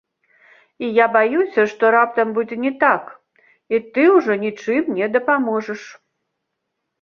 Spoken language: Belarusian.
І я баюся, што раптам будзе не так, і ты ўжо нічым не дапаможаш.